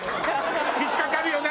引っかかるよな。